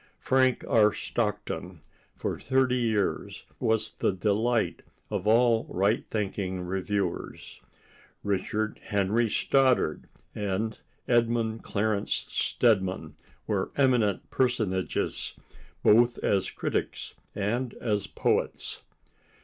Frank R. Stockton, for thirty years, was the delight of all right thinking reviewers. Richard Henry Stoddard and Edmund Clarence Stedman were eminent personages, both as critics and as poets.